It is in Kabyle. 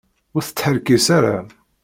Ur tettḥerqis ara.